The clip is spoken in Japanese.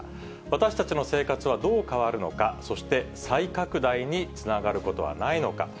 私たちの生活はどう変わるのか、そして再拡大につながることはないのか。